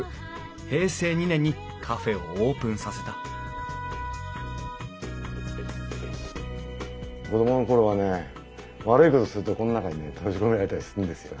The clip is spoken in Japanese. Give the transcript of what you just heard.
平成２年にカフェをオープンさせた子供の頃はね悪いことするとこの中にね閉じ込められたりするんですよ。